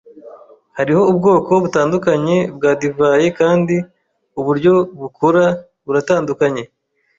Hariho ubwoko butandukanye bwa divayi kandi uburyo bukura buratandukanye.